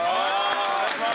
お願いします